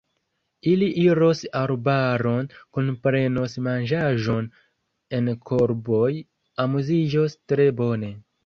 Ili iros arbaron, kunprenos manĝaĵon en korboj, amuziĝos tre bone.